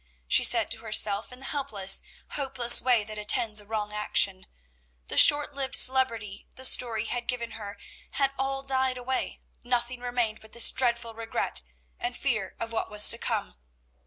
she said to herself in the helpless, hopeless way that attends a wrong action. The short lived celebrity the story had given her had all died away, nothing remained but this dreadful regret, and fear of what was to come.